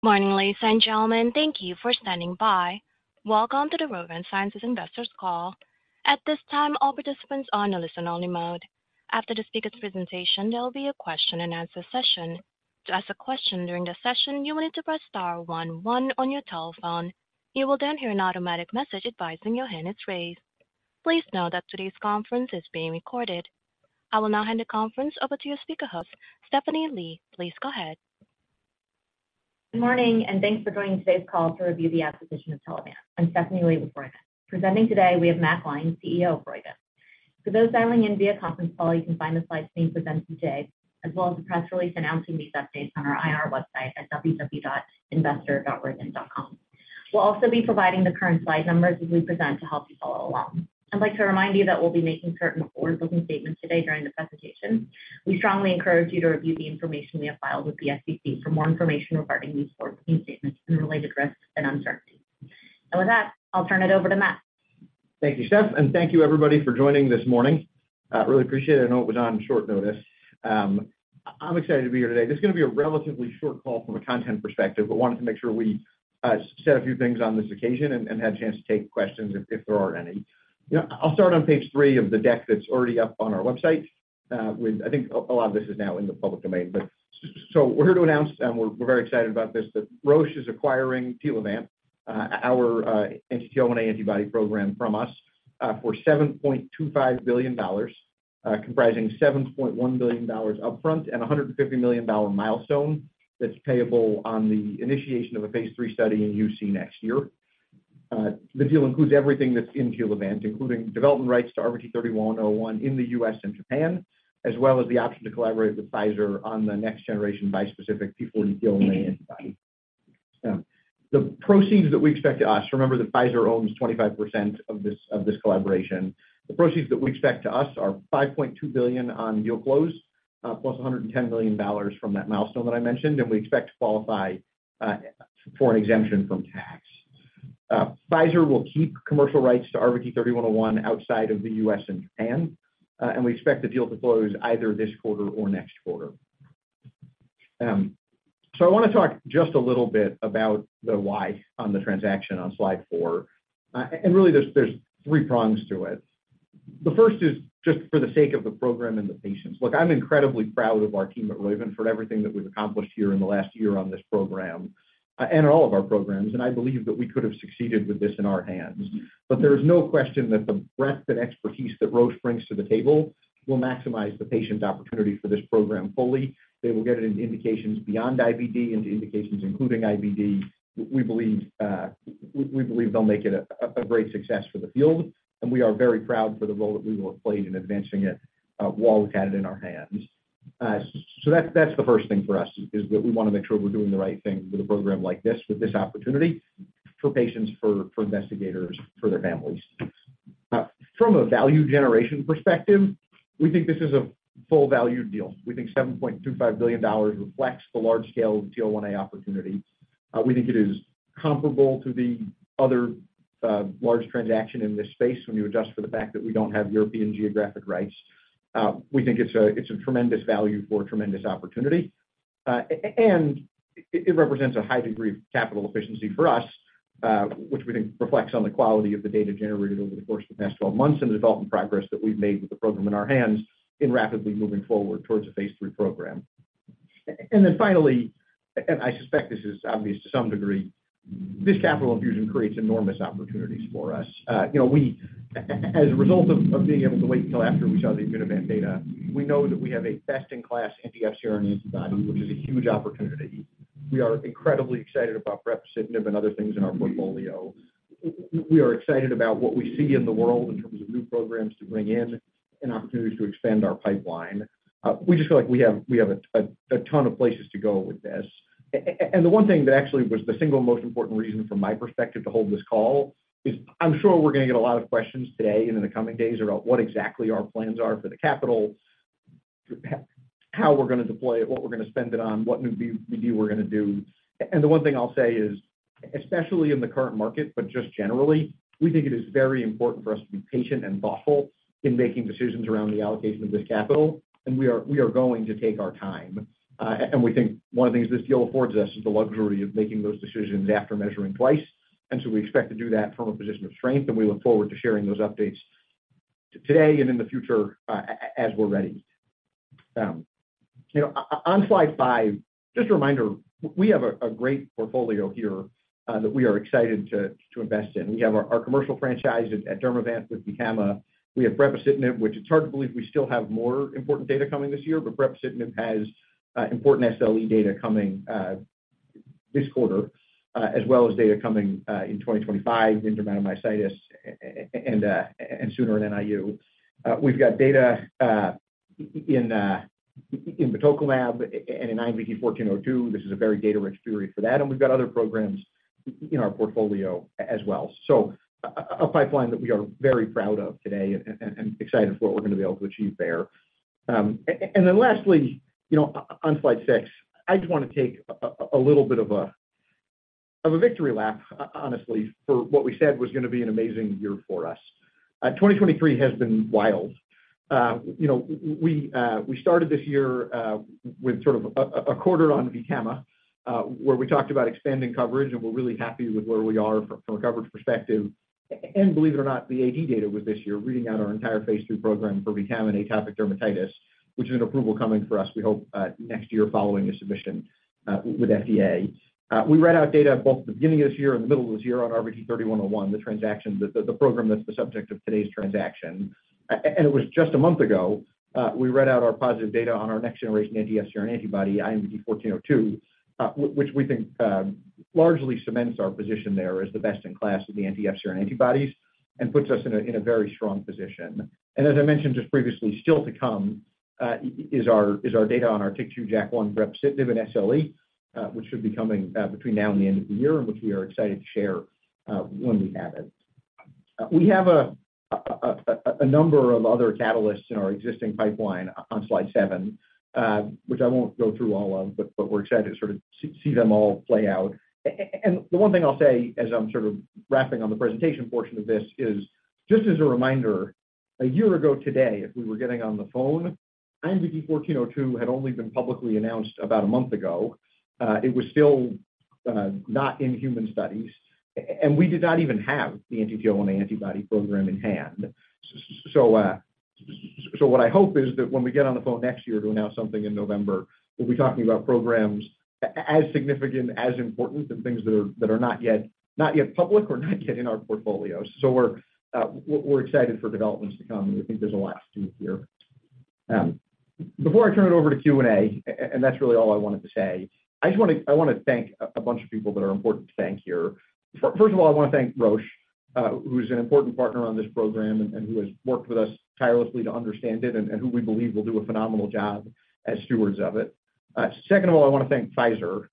Good morning, ladies and gentlemen. Thank you for standing by. Welcome to the Roivant Sciences Investors Call. At this time, all participants are in a listen-only mode. After the speaker's presentation, there will be a question-and-answer session. To ask a question during the session, you will need to press star one one on your telephone. You will then hear an automatic message advising your hand is raised. Please note that today's conference is being recorded. I will now hand the conference over to your speaker host, Stephanie Lee. Please go ahead. Good morning, and thanks for joining today's call to review the acquisition of Telavant. I'm Stephanie Lee with Roivant. Presenting today, we have Matt Gline, CEO of Roivant. For those dialing in via conference call, you can find the slides being presented today, as well as the press release announcing these updates on our IR website at www.investor.roivant.com. We'll also be providing the current slide numbers as we present to help you follow along. I'd like to remind you that we'll be making certain forward-looking statements today during this presentation. We strongly encourage you to review the information we have filed with the SEC for more information regarding these forward-looking statements and the related risks and uncertainties. With that, I'll turn it over to Matt. Thank you, Steph, and thank you everybody for joining this morning. Really appreciate it. I know it was on short notice. I'm excited to be here today. This is gonna be a relatively short call from a content perspective, but wanted to make sure we said a few things on this occasion and, and had a chance to take questions if, if there are any. You know, I'll start on page three of the deck that's already up on our website. With... I think a lot of this is now in the public domain, but so we're here to announce, and we're very excited about this, that Roche is acquiring Telavant, our TL1A antibody program from us for $7.25 billion, comprising $7.1 billion upfront and $150 million milestone that's payable on the initiation of a phase III study in UC next year. The deal includes everything that's in Telavant, including development rights to RVT-3101 in the U.S. and Japan, as well as the option to collaborate with Pfizer on the next generation bispecific P40 TL1A antibody. The proceeds that we expect to us, remember that Pfizer owns 25% of this, of this collaboration. The proceeds that we expect to use are $5.2 billion on deal close, plus $110 million from that milestone that I mentioned, and we expect to qualify for an exemption from tax. Pfizer will keep commercial rights to RVT-3101 outside of the U.S. and Japan, and we expect the deal to close either this quarter or next quarter. So I wanna talk just a little bit about the why on the transaction on slide four. And really there's, there's three prongs to it. The first is just for the sake of the program and the patients. Look, I'm incredibly proud of our team at Roivant for everything that we've accomplished here in the last year on this program, and all of our programs, and I believe that we could have succeeded with this in our hands. But there is no question that the breadth and expertise that Roche brings to the table will maximize the patient opportunity for this program fully. They will get it into indications beyond IBD, into indications including IBD. We believe, we believe they'll make it a great success for the field, and we are very proud for the role that we will have played in advancing it while we've had it in our hands. So that's, that's the first thing for us, is that we wanna make sure we're doing the right thing with a program like this, with this opportunity for patients, for investigators, for their families. From a value generation perspective, we think this is a full value deal. We think $7.25 billion reflects the large scale of the TL1A opportunity. We think it is comparable to the other large transaction in this space when you adjust for the fact that we don't have European geographic rights. We think it's a tremendous value for a tremendous opportunity. And it represents a high degree of capital efficiency for us, which we think reflects on the quality of the data generated over the course of the past 12 months and the development progress that we've made with the program in our hands in rapidly moving forward towards a phase III program. And then finally, and I suspect this is obvious to some degree, this capital infusion creates enormous opportunities for us. You know, we... As a result of being able to wait until after we saw the Immunovant data, we know that we have a best-in-class anti-FcRn antibody, which is a huge opportunity. We are incredibly excited about brepocitinib and other things in our portfolio. We are excited about what we see in the world in terms of new programs to bring in and opportunities to expand our pipeline. We just feel like we have a ton of places to go with this. And the one thing that actually was the single most important reason from my perspective to hold this call is I'm sure we're gonna get a lot of questions today and in the coming days about what exactly our plans are for the capital, how we're gonna deploy it, what we're gonna spend it on, what new Vants we're gonna do. And the one thing I'll say is, especially in the current market, but just generally, we think it is very important for us to be patient and thoughtful in making decisions around the allocation of this capital, and we are, we are going to take our time. And we think one of the things this deal affords us is the luxury of making those decisions after measuring twice. And so we expect to do that from a position of strength, and we look forward to sharing those updates today and in the future, as we're ready. You know, on slide five, just a reminder, we have a great portfolio here that we are excited to invest in. We have our commercial franchise at Dermavant with VTAMA. We have brepocitinib, which it's hard to believe we still have more important data coming this year, but brepocitinib has important SLE data coming this quarter, as well as data coming in 2025 in dermatomyositis and sooner in NIU. We've got data in batoclimab and in IMVT-1402. This is a very data-rich period for that, and we've got other programs in our portfolio as well. So a pipeline that we are very proud of today and excited for what we're gonna be able to achieve there. And then lastly, you know, on slide six, I just wanna take a little bit of a victory lap, honestly, for what we said was going to be an amazing year for us. 2023 has been wild. You know, we started this year with sort of a quarter on VTAMA, where we talked about expanding coverage, and we're really happy with where we are from a coverage perspective. And believe it or not, the AD data with this year, reading out our entire phase III program for VTAMA and atopic dermatitis, which is an approval coming for us, we hope, next year following a submission with FDA. We read out data both at the beginning of this year and the middle of this year on RVT-3101, the transaction, the program that's the subject of today's transaction. And it was just a month ago, we read out our positive data on our next generation anti-FcRn antibody, IMVT-1402, which we think largely cements our position there as the best in class of the anti-FcRn antibodies and puts us in a very strong position. And as I mentioned just previously, still to come, is our data on our TYK2/JAK1 brepocitinib in SLE, which should be coming between now and the end of the year, and which we are excited to share when we have it. We have a number of other catalysts in our existing pipeline on slide seven, which I won't go through all of, but we're excited to sort of see them all play out. And the one thing I'll say as I'm sort of wrapping on the presentation portion of this is, just as a reminder, a year ago today, if we were getting on the phone, IMVT-1402 had only been publicly announced about a month ago. It was still not in human studies, and we did not even have the anti-TL1A antibody program in hand. So what I hope is that when we get on the phone next year to announce something in November, we'll be talking about programs as significant, as important, and things that are, that are not yet, not yet public or not yet in our portfolio. So we're, we're excited for developments to come, and I think there's a lot to do here. Before I turn it over to Q&A, and that's really all I wanted to say, I just wanna thank a bunch of people that are important to thank here. First of all, I want to thank Roche, who's an important partner on this program and who has worked with us tirelessly to understand it, and who we believe will do a phenomenal job as stewards of it. Second of all, I want to thank Pfizer,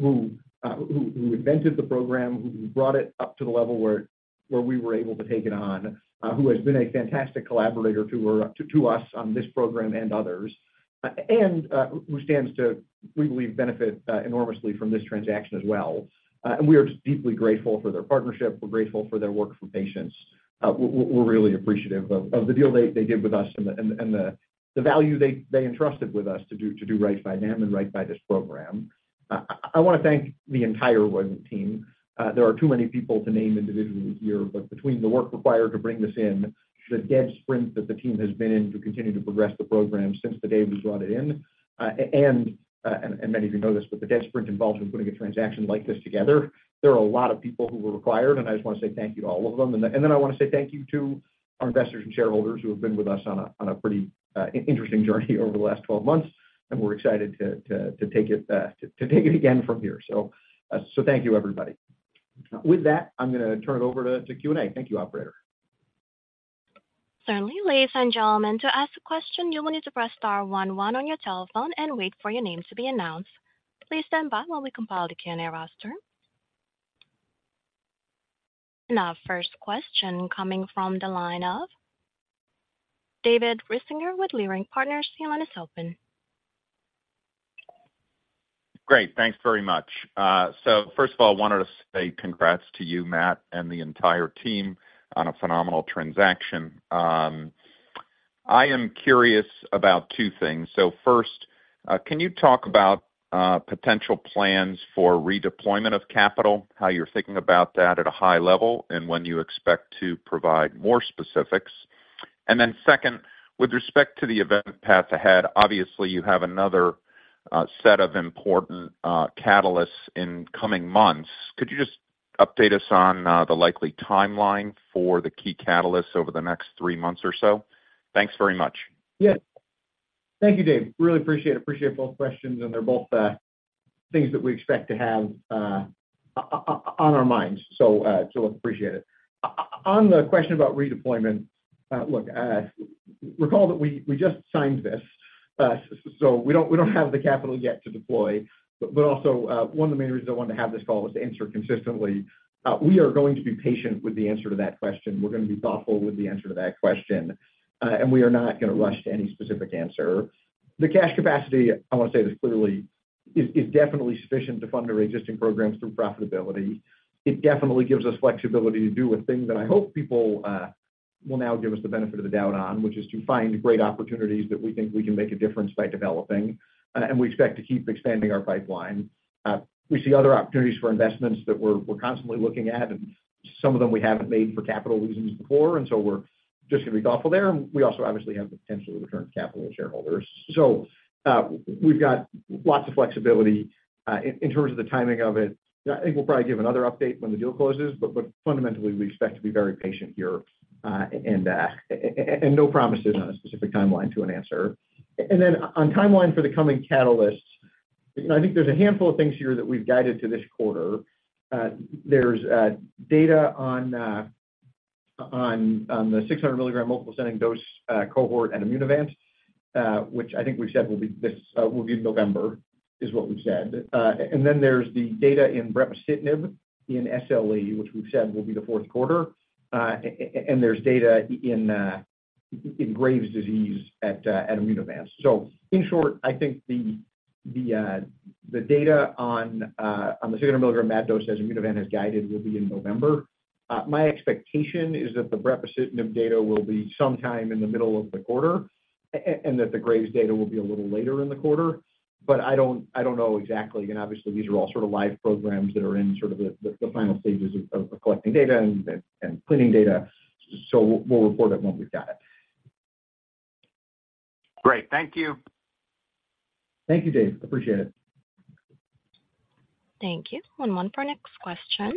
who invented the program, who brought it up to the level where we were able to take it on, who has been a fantastic collaborator to us on this program and others, and who stands to, we believe, benefit enormously from this transaction as well. And we are just deeply grateful for their partnership. We're grateful for their work for patients. We're really appreciative of the deal they did with us and the value they entrusted with us to do right by them and right by this program. I wanna thank the entire Roivant team. There are too many people to name individually here, but between the work required to bring this in, the dead sprint that the team has been in to continue to progress the program since the day we brought it in, and many of you know this, but the dead sprint involved in putting a transaction like this together, there are a lot of people who were required, and I just want to say thank you to all of them. And then I want to say thank you to our investors and shareholders who have been with us on a pretty interesting journey over the last 12 months, and we're excited to take it again from here. So, so thank you, everybody. With that, I'm going to turn it over to Q&A. Thank you, operator. Certainly. Ladies and gentlemen, to ask a question, you will need to press star one one on your telephone and wait for your name to be announced. Please stand by while we compile the Q&A roster. Our first question coming from the line of David Risinger with Leerink Partners. Your line is open. Great. Thanks very much. So first of all, I wanted to say congrats to you, Matt, and the entire team on a phenomenal transaction. I am curious about two things. So first, can you talk about potential plans for redeployment of capital, how you're thinking about that at a high level, and when you expect to provide more specifics? And then second, with respect to the event path ahead, obviously, you have another set of important catalysts in coming months. Could you just update us on the likely timeline for the key catalysts over the next three months or so? Thanks very much. Yeah. Thank you, Dave. Really appreciate it. Appreciate both questions, and they're both things that we expect to have on our minds, so appreciate it. On the question about redeployment, look, recall that we just signed this, so we don't have the capital yet to deploy. But also, one of the main reasons I wanted to have this call is to answer consistently. We are going to be patient with the answer to that question. We're going to be thoughtful with the answer to that question, and we are not going to rush to any specific answer. The cash capacity, I want to say this clearly, is definitely sufficient to fund our existing programs through profitability. It definitely gives us flexibility to do with things that I hope people will now give us the benefit of the doubt on, which is to find great opportunities that we think we can make a difference by developing, and we expect to keep expanding our pipeline. We see other opportunities for investments that we're constantly looking at, and some of them we haven't made for capital reasons before, and so we're just going to be thoughtful there. And we also obviously have the potential to return capital to shareholders. So, we've got lots of flexibility. In terms of the timing of it, I think we'll probably give another update when the deal closes, but fundamentally, we expect to be very patient here, and no promises on a specific timeline to an answer. And then on timeline for the coming catalysts, you know, I think there's a handful of things here that we've guided to this quarter. There's data on the 600 milligram multiple ascending dose cohort at Immunovant, which I think we said will be this, will be November, is what we've said. And then there's the data in brepocitinib in SLE, which we've said will be the fourth quarter. And there's data in Graves' disease at Immunovant. So in short, I think the data on the 200 milligram multiple ascending dose, as Immunovant has guided, will be in November. My expectation is that the brepocitinib data will be sometime in the middle of the quarter, and that the Graves' data will be a little later in the quarter. But I don't know exactly, and obviously, these are all sort of live programs that are in sort of the final stages of collecting data and cleaning data. So we'll report it when we've got it. Great. Thank you. Thank you, Dave. Appreciate it. Thank you. And one for our next question.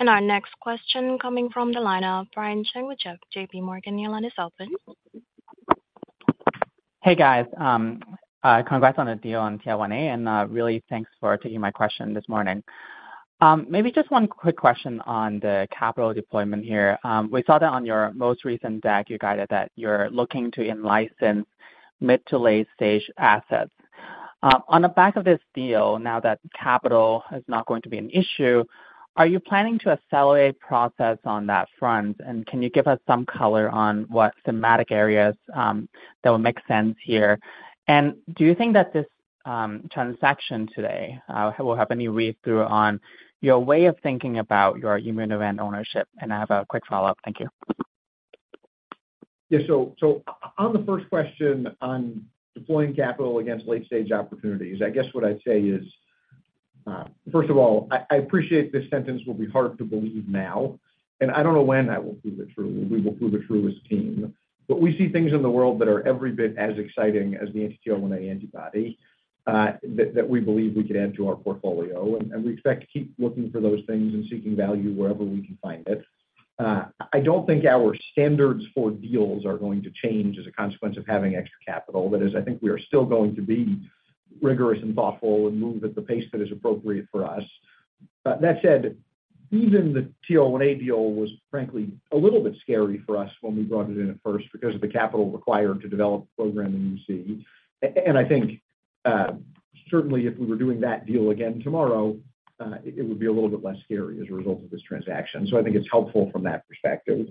Our next question coming from the line of Brian Cheng with JPMorgan. Your line is open. Hey, guys. Congrats on the deal on TL1A, and really thanks for taking my question this morning. Maybe just one quick question on the capital deployment here. We saw that on your most recent deck, you guided that you're looking to in-license mid to late-stage assets. On the back of this deal, now that capital is not going to be an issue, are you planning to accelerate process on that front? And can you give us some color on what thematic areas that will make sense here? And do you think that this transaction today will have any read-through on your way of thinking about your Immunovant ownership? And I have a quick follow-up. Thank you. Yeah. So, on the first question on deploying capital against late-stage opportunities, I guess what I'd say is, first of all, I appreciate this sentence will be hard to believe now, and I don't know when that will prove it true, we will prove it true as a team. But we see things in the world that are every bit as exciting as the anti-TL1A antibody, that we believe we could add to our portfolio, and we expect to keep looking for those things and seeking value wherever we can find it. I don't think our standards for deals are going to change as a consequence of having extra capital. That is, I think we are still going to be rigorous and thoughtful and move at the pace that is appropriate for us. But that said, even the TL1A deal was frankly, a little bit scary for us when we brought it in at first because of the capital required to develop program in UC. And I think, certainly if we were doing that deal again tomorrow, it would be a little bit less scary as a result of this transaction. So I think it's helpful from that perspective.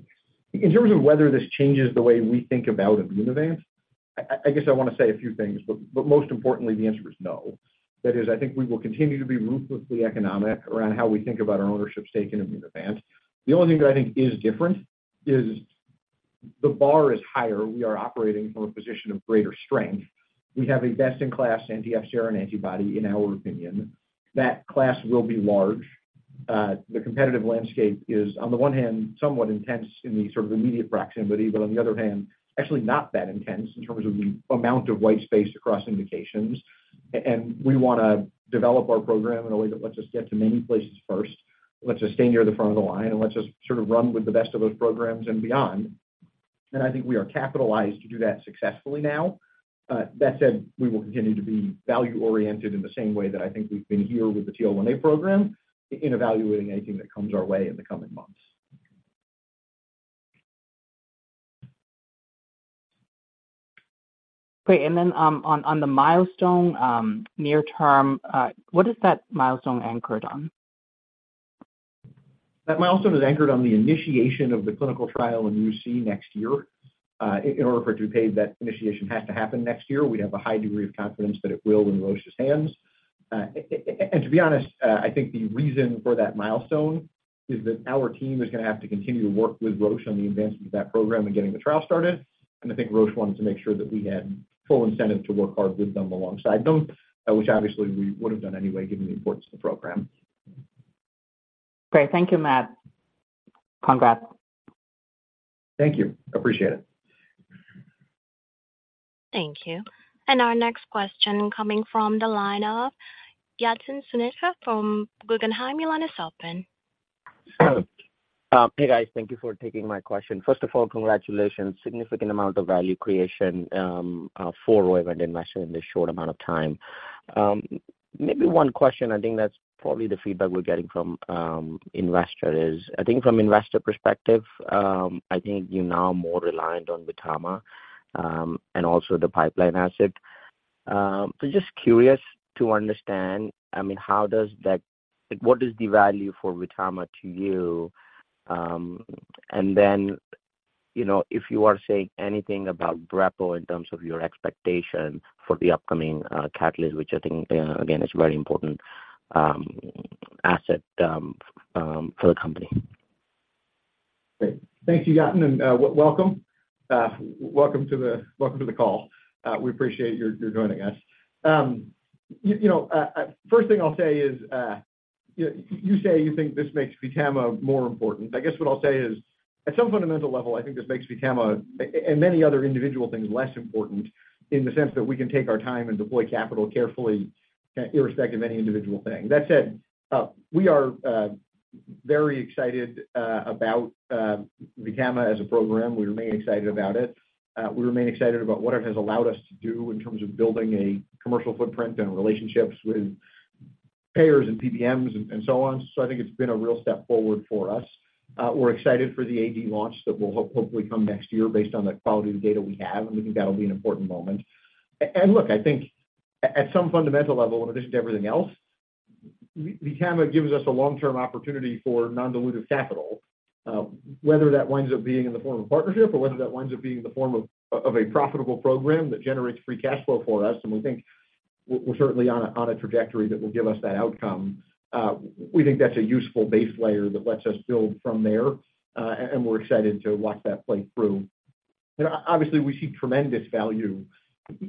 In terms of whether this changes the way we think about Immunovant, I guess I want to say a few things, but most importantly, the answer is no. That is, I think we will continue to be ruthlessly economic around how we think about our ownership stake in Immunovant. The only thing that I think is different is the bar is higher. We are operating from a position of greater strength. We have a best-in-class anti-FcRn antibody, in our opinion. That class will be large. The competitive landscape is, on the one hand, somewhat intense in the sort of immediate proximity, but on the other hand, actually not that intense in terms of the amount of white space across indications. And we wanna develop our program in a way that lets us get to many places first, lets us stay near the front of the line, and lets us sort of run with the best of those programs and beyond. And I think we are capitalized to do that successfully now. That said, we will continue to be value-oriented in the same way that I think we've been here with the TL1A program in evaluating anything that comes our way in the coming months. Great. And then, on the milestone, near term, what is that milestone anchored on? That milestone is anchored on the initiation of the clinical trial in UC next year. In order for it to be paid, that initiation has to happen next year. We have a high degree of confidence that it will in Roche's hands. And to be honest, I think the reason for that milestone is that our team is gonna have to continue to work with Roche on the advancement of that program and getting the trial started. I think Roche wanted to make sure that we had full incentive to work hard with them alongside them, which obviously we would have done anyway, given the importance of the program. Great. Thank you, Matt. Congrats. Thank you. Appreciate it. Thank you. Our next question coming from the line of Yatin Suneja from Guggenheim. Your line is open. Hey, guys. Thank you for taking my question. First of all, congratulations. Significant amount of value creation for Roivant investor in this short amount of time. Maybe one question, I think that's probably the feedback we're getting from investor is... I think from investor perspective, I think you're now more reliant on VTAMA and also the pipeline asset. So just curious to understand, I mean, how does that—what is the value for VTAMA to you? And then, you know, if you are saying anything about brepocitinib in terms of your expectation for the upcoming catalyst, which I think, again, is very important asset for the company. Great. Thank you, Yatin, and welcome. Welcome to the call. We appreciate your joining us. You know, first thing I'll say is, you say you think this makes VTAMA more important. I guess what I'll say is, at some fundamental level, I think this makes VTAMA and many other individual things less important in the sense that we can take our time and deploy capital carefully, irrespective of any individual thing. That said, we are very excited about VTAMA as a program. We remain excited about it. We remain excited about what it has allowed us to do in terms of building a commercial footprint and relationships with payers and PBMs and so on. So I think it's been a real step forward for us. We're excited for the AD launch that will hopefully come next year based on the quality of the data we have, and we think that'll be an important moment. And look, I think at some fundamental level, in addition to everything else, VTAMA gives us a long-term opportunity for non-dilutive capital. Whether that winds up being in the form of partnership or whether that winds up being in the form of a profitable program that generates free cash flow for us, and we think we're certainly on a trajectory that will give us that outcome. We think that's a useful base layer that lets us build from there, and we're excited to watch that play through. Obviously, we see tremendous value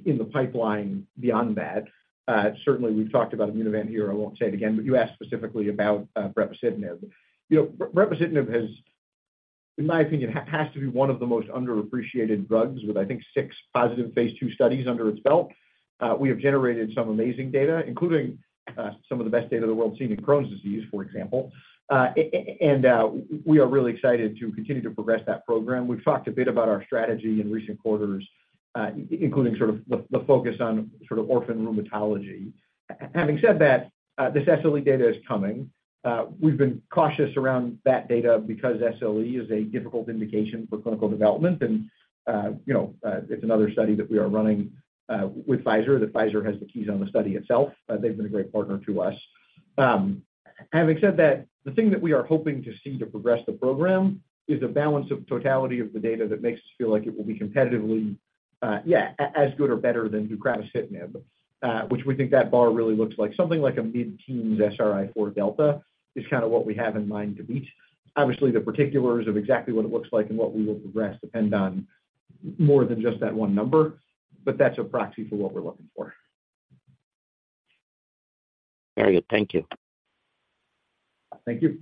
in the pipeline beyond that. Certainly, we've talked about Immunovant here. I won't say it again, but you asked specifically about brepocitinib. You know, brepocitinib has, in my opinion, has to be one of the most underappreciated drugs with, I think, six positive phase II studies under its belt. We have generated some amazing data, including some of the best data the world's seen in Crohn's disease, for example. And we are really excited to continue to progress that program. We've talked a bit about our strategy in recent quarters, including sort of the focus on sort of orphan rheumatology. Having said that, this SLE data is coming. We've been cautious around that data because SLE is a difficult indication for clinical development, and you know, it's another study that we are running with Pfizer, that Pfizer has the keys on the study itself. They've been a great partner to us. Having said that, the thing that we are hoping to see to progress the program is a balance of totality of the data that makes us feel like it will be competitively, yeah, as good or better than upadacitinib, which we think that bar really looks like. Something like a mid-teens SRI-4 is kind of what we have in mind to beat. Obviously, the particulars of exactly what it looks like and what we will progress depend on more than just that one number, but that's a proxy for what we're looking for. Very good. Thank you. Thank you.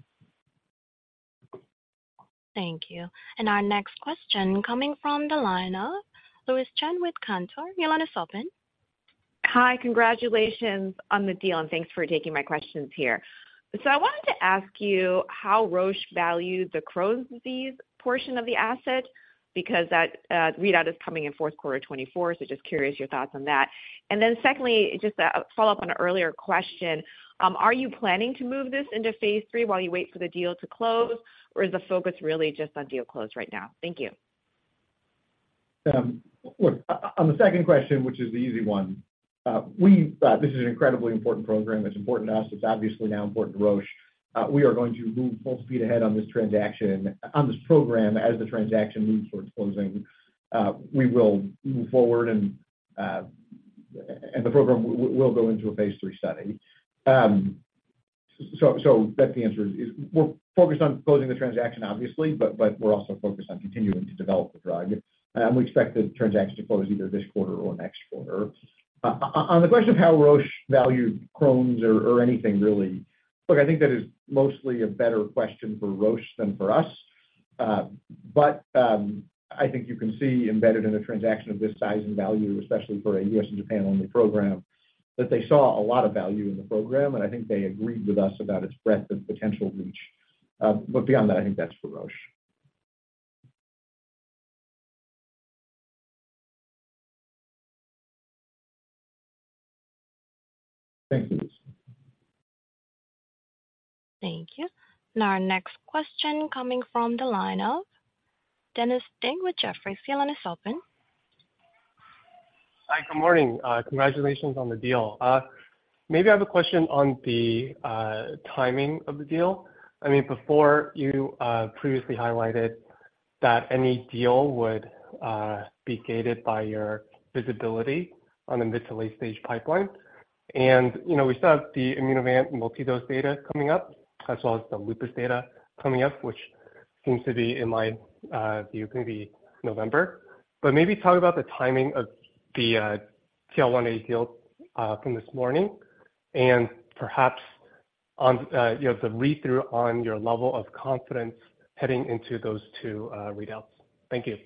Thank you. Our next question coming from the line of Louise Chen with Cantor. Your line is open. Hi, congratulations on the deal, and thanks for taking my questions here. So I wanted to ask you how Roche valued the Crohn's disease portion of the asset, because that, readout is coming in fourth quarter 2024. So just curious your thoughts on that. And then secondly, just a follow-up on an earlier question, are you planning to move this into phase III while you wait for the deal to close, or is the focus really just on deal close right now? Thank you. Look, on the second question, which is the easy one, this is an incredibly important program. It's important to us. It's obviously now important to Roche. We are going to move full speed ahead on this transaction, on this program as the transaction moves towards closing. We will move forward and the program will go into a phase III study. So that's the answer is, we're focused on closing the transaction, obviously, but we're also focused on continuing to develop the drug, and we expect the transaction to close either this quarter or next quarter. On the question of how Roche valued Crohn's or anything really, look, I think that is mostly a better question for Roche than for us. I think you can see embedded in a transaction of this size and value, especially for a U.S. and Japan-only program, that they saw a lot of value in the program, and I think they agreed with us about its breadth and potential reach. But beyond that, I think that's for Roche. Thank you. Thank you. Our next question coming from the line of Dennis Ding with Jefferies. Your line is open. Hi, good morning. Congratulations on the deal. Maybe I have a question on the timing of the deal. I mean, before you previously highlighted that any deal would be gated by your visibility on the mid- to late-stage pipeline. And, you know, we still have the Immunovant multidose data coming up, as well as the lupus data coming up, which seems to be in my view, maybe November. But maybe talk about the timing of the TL1A deal from this morning, and perhaps on, you know, the read-through on your level of confidence heading into those two readouts. Thank you.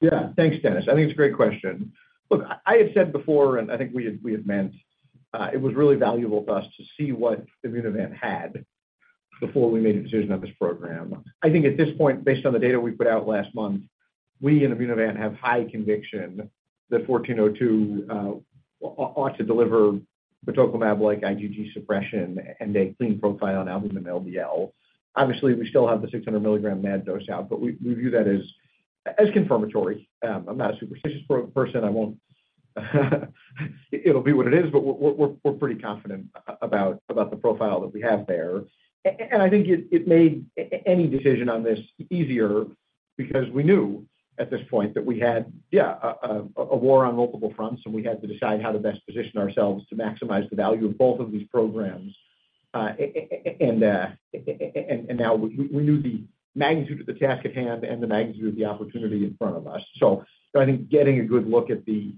Yeah. Thanks, Dennis. I think it's a great question. Look, I had said before, and I think we had, we had meant, it was really valuable to us to see what Immunovant had before we made a decision on this program. I think at this point, based on the data we put out last month, we and Immunovant have high conviction that 1402 ought to deliver tocilizumab-like IgG suppression and a clean profile on albumin, LDL. Obviously, we still have the 600 milligram MAD dose out, but we view that as confirmatory. I'm not a superstitious person. I won't, it'll be what it is, but we're pretty confident about the profile that we have there. And I think it made any decision on this easier because we knew at this point that we had a war on multiple fronts, and we had to decide how to best position ourselves to maximize the value of both of these programs. And now we knew the magnitude of the task at hand and the magnitude of the opportunity in front of us. So I think getting a good look at the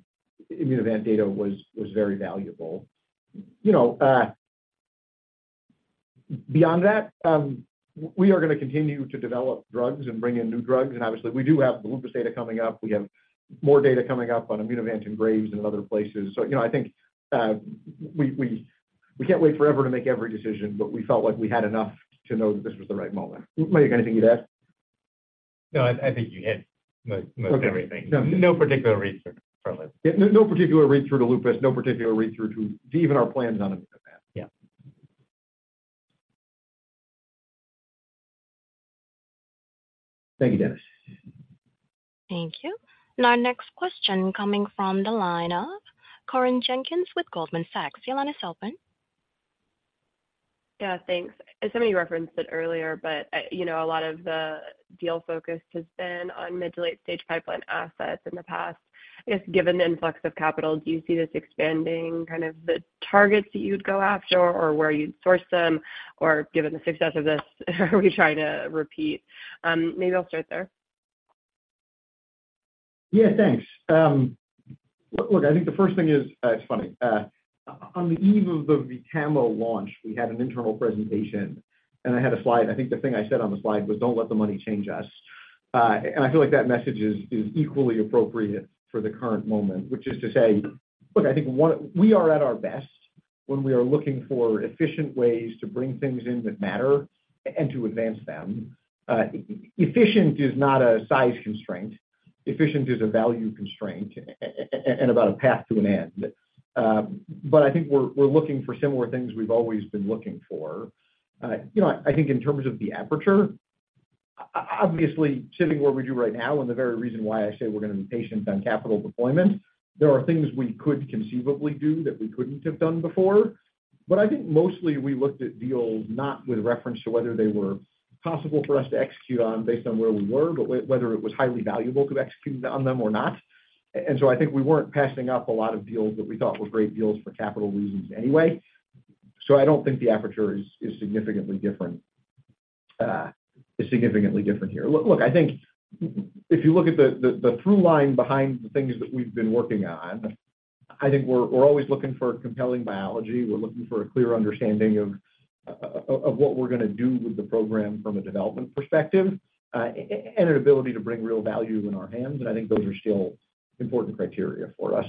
Immunovant data was very valuable. You know, beyond that, we are going to continue to develop drugs and bring in new drugs, and obviously, we do have the lupus data coming up. We have more data coming up on Immunovant and Graves and other places. You know, I think, we can't wait forever to make every decision, but we felt like we had enough to know that this was the right moment. Mayukh, anything you'd add? No, I think you hit most everything. Okay. No. No particular read through from it. Yeah, no, no particular read-through to lupus, no particular read-through to even our plans on Immunovant. Yeah.... Thank you, Dennis. Thank you. Our next question coming from the line of Corinne Jenkins with Goldman Sachs. Your line is open. Yeah, thanks. As somebody referenced it earlier, but, you know, a lot of the deal focus has been on mid- to late-stage pipeline assets in the past. I guess, given the influx of capital, do you see this expanding kind of the targets that you'd go after or where you'd source them? Or given the success of this, are we trying to repeat? Maybe I'll start there. Yeah, thanks. Look, I think the first thing is, it's funny. On the eve of the VTAMA launch, we had an internal presentation, and I had a slide. I think the thing I said on the slide was, "Don't let the money change us." And I feel like that message is equally appropriate for the current moment, which is to say... Look, I think one - we are at our best when we are looking for efficient ways to bring things in that matter and to advance them. Efficient is not a size constraint. Efficient is a value constraint and about a path to an end. But I think we're looking for similar things we've always been looking for. You know, I think in terms of the aperture, obviously, sitting where we do right now, and the very reason why I say we're gonna be patient on capital deployment, there are things we could conceivably do that we couldn't have done before. But I think mostly we looked at deals, not with reference to whether they were possible for us to execute on based on where we were, but whether it was highly valuable to execute on them or not. And so I think we weren't passing up a lot of deals that we thought were great deals for capital reasons anyway. So I don't think the aperture is significantly different here. Look, I think if you look at the through line behind the things that we've been working on, I think we're always looking for compelling biology. We're looking for a clear understanding of what we're gonna do with the program from a development perspective, and an ability to bring real value in our hands, and I think those are still important criteria for us.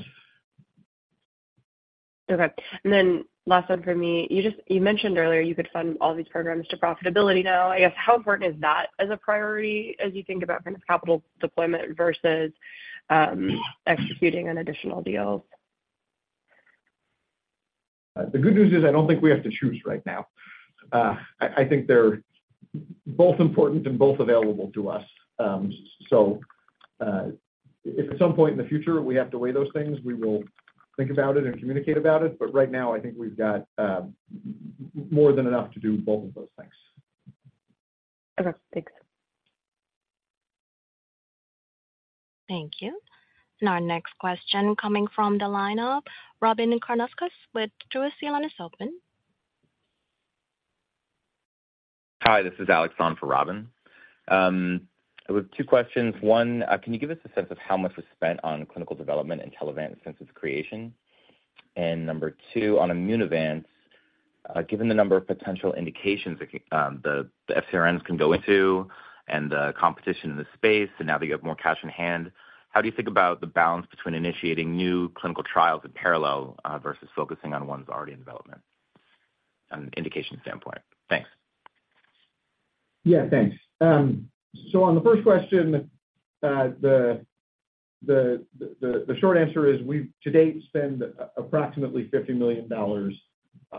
Okay. Then last one for me. You just, you mentioned earlier you could fund all these programs to profitability now. I guess, how important is that as a priority as you think about kind of capital deployment versus executing on additional deals? The good news is I don't think we have to choose right now. I think they're both important and both available to us. So, if at some point in the future, we have to weigh those things, we will think about it and communicate about it. But right now, I think we've got more than enough to do both of those things. Okay, thanks. Thank you. Our next question coming from the line of Robyn Karnauskas with Truist. Your line is open. Hi, this is Alex on for Robyn. I have two questions. One, can you give us a sense of how much was spent on clinical development in Telavant since its creation? And number two, on Immunovant, given the number of potential indications that the FcRns can go into and the competition in the space, and now that you have more cash in hand, how do you think about the balance between initiating new clinical trials in parallel versus focusing on ones already in development, indication standpoint? Thanks. Yeah, thanks. So on the first question, the short answer is we've, to date, spent approximately $50 million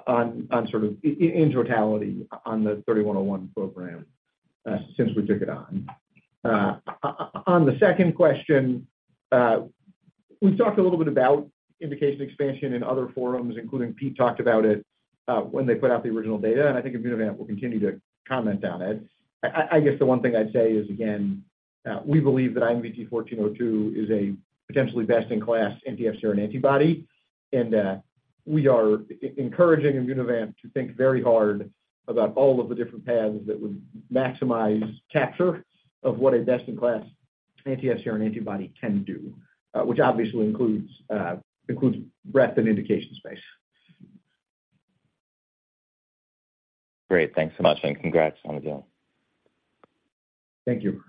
on sort of in totality on the 3101 program, since we took it on. On the second question, we've talked a little bit about indication expansion in other forums, including Pete talked about it, when they put out the original data, and I think Immunovant will continue to comment on it. I guess the one thing I'd say is, again, we believe that IMVT-1402 is a potentially best-in-class anti-FcRn antibody, and we are encouraging Immunovant to think very hard about all of the different paths that would maximize capture of what a best-in-class anti-FcRn antibody can do, which obviously includes breadth and indication space. Great. Thanks so much, and congrats on the deal. Thank you.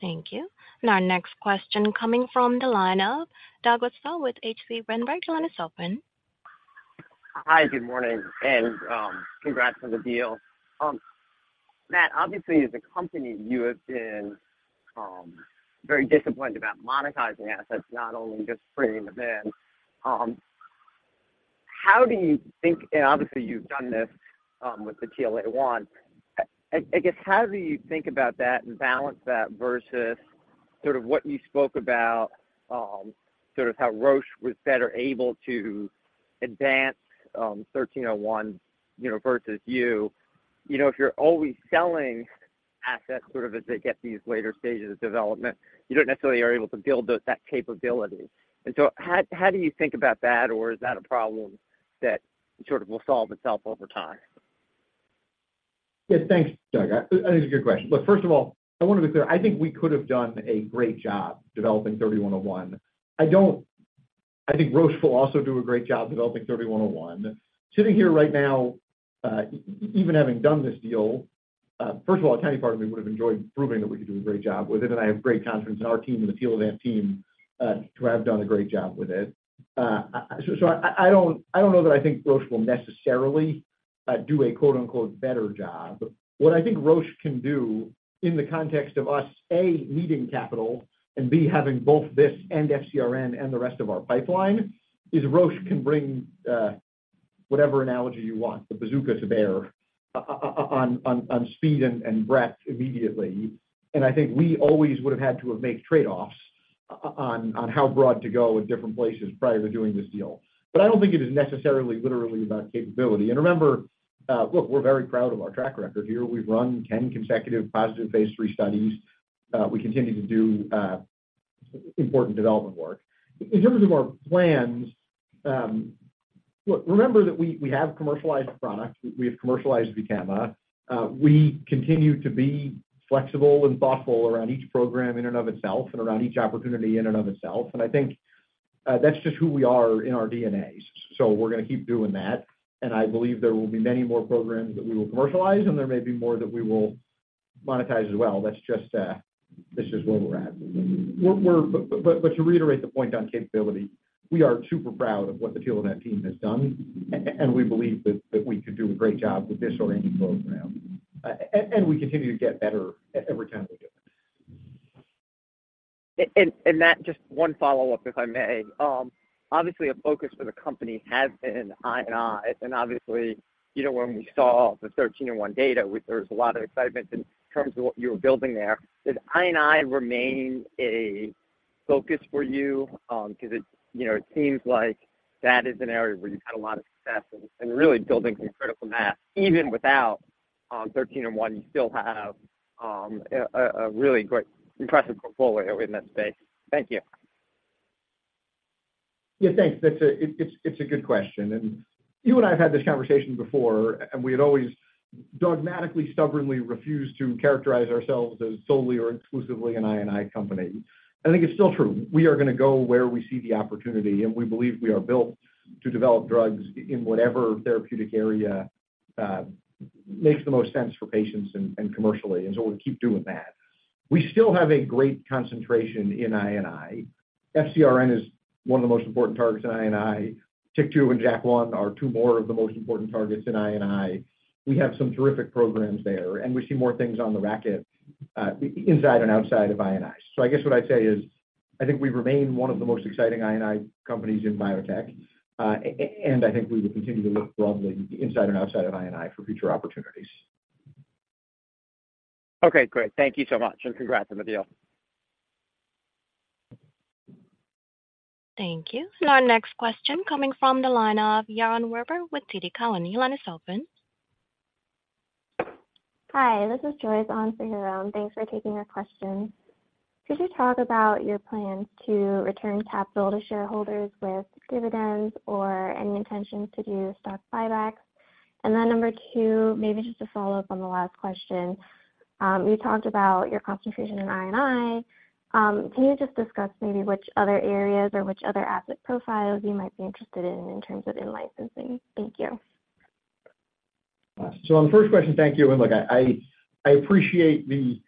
Thank you. Our next question coming from the line of Douglas Tsao with H.C. Wainwright. Your line is open. Hi, good morning, and congrats on the deal. Matt, obviously, as a company, you have been very disciplined about monetizing assets, not only just bringing them in. How do you think... And obviously, you've done this with the TL1A. I guess, how do you think about that and balance that versus sort of what you spoke about, sort of how Roche was better able to advance RVT-3101, you know, versus you? You know, if you're always selling assets sort of as they get these later stages of development, you don't necessarily are able to build those, that capability. And so how do you think about that, or is that a problem that sort of will solve itself over time? Yeah, thanks, Doug. I think it's a good question. Look, first of all, I want to be clear. I think we could have done a great job developing 3101. I don't, I think Roche will also do a great job developing 3101. Sitting here right now, even having done this deal, first of all, a tiny part of me would have enjoyed proving that we could do a great job with it, and I have great confidence in our team and the Telavant team to have done a great job with it. So I don't know that I think Roche will necessarily do a, quote, unquote, "better job." What I think Roche can do in the context of us, A, needing capital, and B, having both this and FcRn and the rest of our pipeline, is Roche can bring whatever analogy you want, the bazookas to bear on speed and breadth immediately. And I think we always would have had to have made trade-offs on how broad to go with different places prior to doing this deal. But I don't think it is necessarily literally about capability. And remember, look, we're very proud of our track record here. We've run 10 consecutive positive phase III studies. We continue to do important development work. In terms of our plans, look, remember that we have commercialized products. We have commercialized VTAMA. We continue to be flexible and thoughtful around each program in and of itself and around each opportunity in and of itself. And I think that's just who we are in our DNA. So we're going to keep doing that, and I believe there will be many more programs that we will commercialize, and there may be more that we will monetize as well. That's just where we're at. We're but to reiterate the point on capability, we are super proud of what the Telavant team has done, and we believe that we could do a great job with this or any program. And we continue to get better every time we do it. And Matt, just one follow-up, if I may. Obviously, a focus for the company has been I&I, and obviously, you know, when we saw the 3101 data, there was a lot of excitement in terms of what you were building there. Does I&I remain a focus for you? Because it, you know, it seems like that is an area where you've had a lot of success and really building some critical mass. Even without 3101, you still have a really great impressive portfolio in that space. Thank you. Yeah, thanks. That's a, it's, it's a good question, and you and I have had this conversation before, and we had always dogmatically, stubbornly refused to characterize ourselves as solely or exclusively an I&I company. I think it's still true. We are going to go where we see the opportunity, and we believe we are built to develop drugs in whatever therapeutic area makes the most sense for patients and, and commercially, and so we'll keep doing that. We still have a great concentration in I&I. FcRn is one of the most important targets in I&I. TYK2 and JAK1 are two more of the most important targets in I&I. We have some terrific programs there, and we see more things on the racket inside and outside of I&I. So I guess what I'd say is, I think we remain one of the most exciting I&I companies in biotech, and I think we will continue to look broadly inside and outside of I&I for future opportunities. Okay, great. Thank you so much, and congrats on the deal. Thank you. Our next question coming from the line of Yaron Werber with TD Cowen. Your line is open. Hi, this is Joyce on for Yaron. Thanks for taking our questions. Could you talk about your plans to return capital to shareholders with dividends or any intentions to do stock buybacks? And then number two, maybe just a follow-up on the last question. You talked about your concentration in I&I. Can you just discuss maybe which other areas or which other asset profiles you might be interested in, in terms of in-licensing? Thank you. So on the first question, thank you. And look, I appreciate the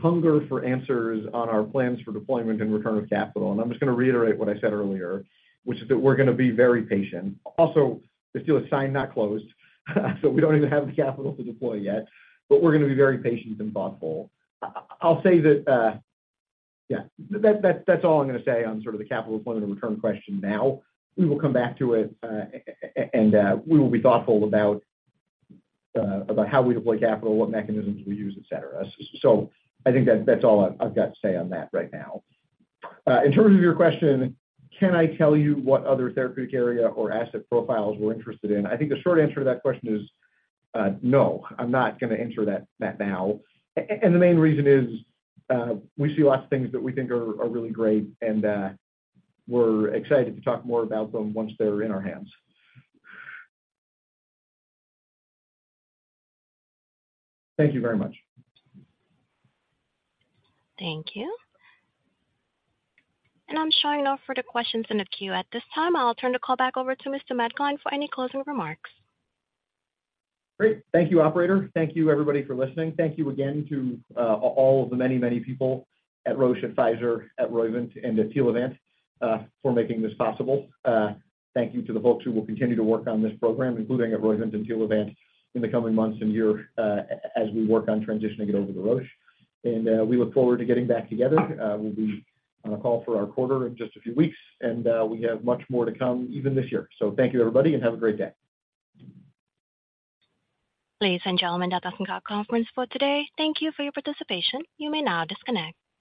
hunger for answers on our plans for deployment and return of capital, and I'm just going to reiterate what I said earlier, which is that we're going to be very patient. Also, the deal is signed, not closed, so we don't even have the capital to deploy yet, but we're going to be very patient and thoughtful. I'll say that. Yeah, that's all I'm going to say on sort of the capital deployment and return question now. We will come back to it, and we will be thoughtful about how we deploy capital, what mechanisms we use, et cetera. So I think that's all I've got to say on that right now. In terms of your question, can I tell you what other therapeutic area or asset profiles we're interested in? I think the short answer to that question is, no, I'm not going to answer that now. And the main reason is, we see lots of things that we think are really great, and we're excited to talk more about them once they're in our hands. Thank you very much. Thank you. I'm showing no further questions in the queue at this time. I'll turn the call back over to Mr. Gline for any closing remarks. Great. Thank you, operator. Thank you, everybody, for listening. Thank you again to all of the many, many people at Roche and Pfizer, at Roivant, and at Telavant, for making this possible. Thank you to the folks who will continue to work on this program, including at Roivant and Telavant, in the coming months and year, as we work on transitioning it over to Roche. And, we look forward to getting back together. We'll be on a call for our quarter in just a few weeks, and, we have much more to come even this year. So thank you, everybody, and have a great day. Ladies and gentlemen, that does conclude conference for today. Thank you for your participation. You may now disconnect.